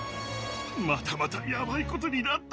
またまたやばいことになった。